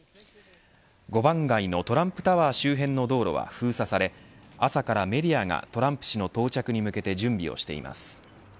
五番街のトランプタワー周辺の道路は封鎖され朝からメディアがトランプ氏の到着に向けて準備をしています。